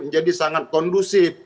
jadi sangat kondusif